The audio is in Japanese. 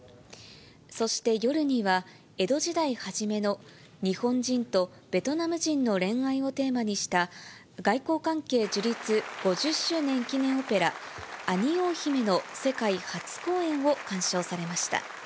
そして夜には、江戸時代初めの日本人とベトナム人の恋愛をテーマにした、外交関係樹立５０周年記念オペラ、アニオー姫の世界初公演を鑑賞されました。